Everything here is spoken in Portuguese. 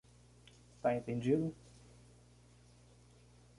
Tá entendido?